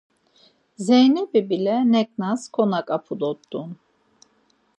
Zeynebi bile neǩnas konaǩap̌u dort̆un.